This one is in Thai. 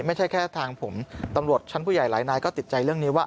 ไม่ใช่แค่ทางผมตำรวจชั้นผู้ใหญ่หลายนายก็ติดใจเรื่องนี้ว่า